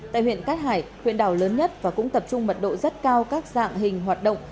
tại huyện cát hải huyện đảo lớn nhất và cũng tập trung mật độ rất cao các dạng hình hoạt động